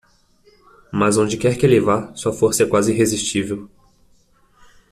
Mas onde quer que ele vá, sua força é quase irresistível.